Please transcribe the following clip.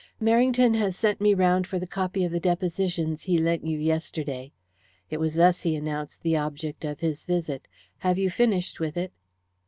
"Merrington has sent me round for the copy of the depositions he lent you yesterday." It was thus he announced the object of his visit. "Have you finished with it?"